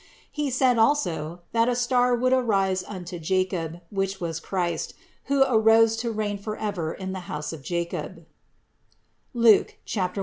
He said, also, that a star would arise unto Jacob, which was Christ, who arose to reign for ever in the house of Jacob (Luke 1, 32).